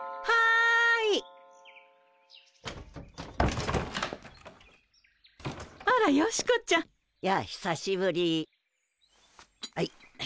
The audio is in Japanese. はい。